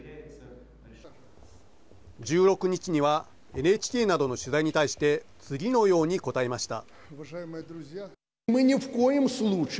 １６日にはＮＨＫなどの取材に対して次のように答えました。